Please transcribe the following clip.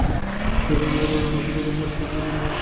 থিয়েটারওয়ালারা হঠাৎ অকূলপাথারে পড়িয়া গেল।